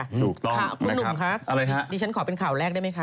คุณหนุ่มค่ะดิฉันขอเป็นข่าวแรกได้มั้ยค่ะ